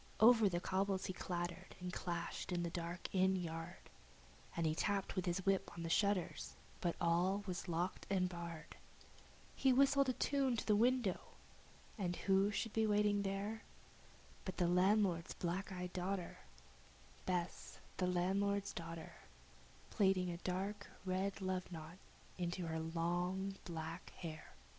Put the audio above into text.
Over the cobbles he clattered and clashed in the dark inn yard, He tapped with his whip on the shutters, but all was locked and barred, He whistled a tune to the window, and who should be waiting there But the landlord's black eyed daughter Bess, the landlord's daughter Plaiting a dark red love knot into her long black hair.